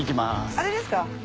あれですか？